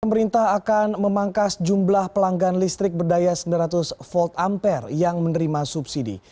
pemerintah akan memangkas jumlah pelanggan listrik berdaya sembilan ratus volt ampere yang menerima subsidi